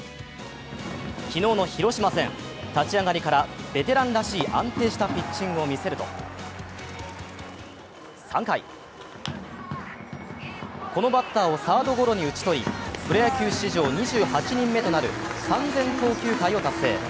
昨日の広島戦、立ち上がりからベテランらしい安定したピッチングを見せると、３回、このバッターをサードゴロに打ち取りプロ野球史上２８人目となる３０００投球回を達成。